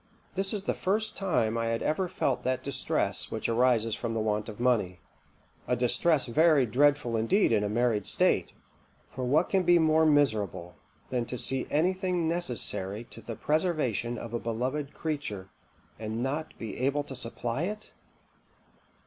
"This was the first time I had ever felt that distress which arises from the want of money; a distress very dreadful indeed in a married state; for what can be more miserable than to see anything necessary to the preservation of a beloved creature, and not be able to supply it?